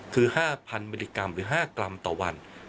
คือ๕๐๐มิลลิกรัมหรือ๕กรัมต่อวัน